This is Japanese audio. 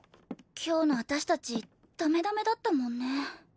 今日の私達ダメダメだったもんねえ